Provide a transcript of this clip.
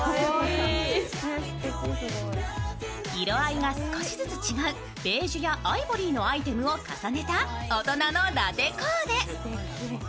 色合いが少しずつ違うベージュやアイボリーのアイテムを重ねた大人のラテコーデ。